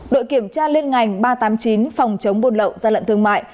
đội kiểm tra liên ngành ba trăm tám mươi chín phòng chống buôn lậu gian lận thương mại